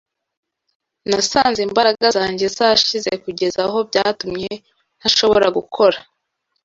nasanze imbaraga zanjye zashize kugeza aho byatumye ntashobora gukora.